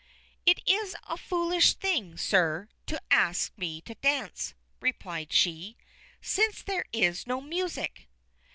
"It is a foolish thing, sir, to ask me to dance," replied she, "since there is no music."